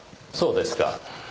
そうですか。